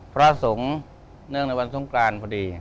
พระสงฆ์เนื่องในวันสงกรานพอดี